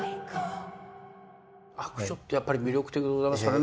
悪女ってやっぱり魅力的でございますからね。